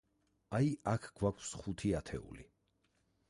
აი, აქ გვაქვს ხუთი ათეული.